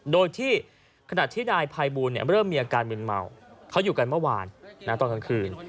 โดยที่ขณะที่นายภัยบูลเริ่มมีอาการมืนเมาเขาอยู่กันเมื่อวานตอนกลางคืน